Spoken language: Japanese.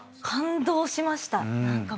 感動しました。